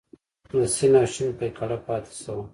د سین او شین پیکړه پاتې شوه.